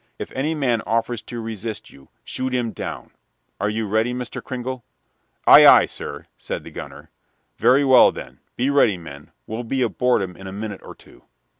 If any man offers to resist you, shoot him down. Are you ready, Mr. Cringle?" "Aye, aye, sir," said the gunner. "Very well, then, be ready, men; we'll be aboard 'em in a minute or two."